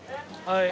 はい。